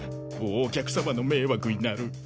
お客様の迷惑になる。